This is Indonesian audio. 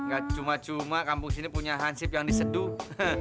gak cuma cuma kampung sini punya hansip yang diseduh